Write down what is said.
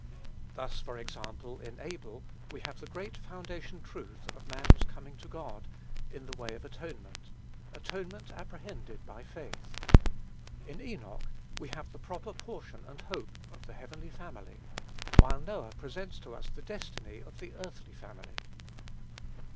Thus, for example, in Abel we have the great foundation truth of man's coming to God, in the way of atonement, atonement apprehended by faith. In Enoch, we have the proper portion and hope of the heavenly family; while Noah presents to us the destiny of the earthly family.